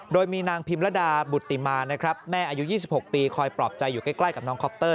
โดยมีนางพิมรดาบุติมานะครับแม่อายุ๒๖ปีคอยปลอบใจอยู่ใกล้กับน้องคอปเตอร์